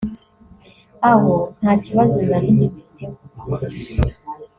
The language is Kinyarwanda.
aho nta kibazo nari mbifiteho